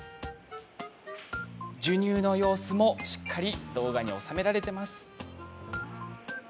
授乳の様子もしっかり動画に収められています。